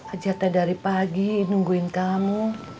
ajatnya dari pagi nungguin kamu